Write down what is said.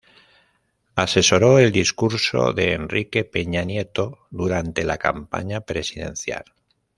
Asesoró el discurso de Enrique Peña Nieto durante la campaña presidencial.